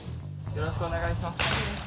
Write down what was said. よろしくお願いします。